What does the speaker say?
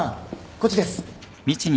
こっちです。